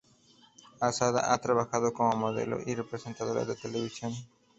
Asada ha trabajado como modelo y presentadora de televisión.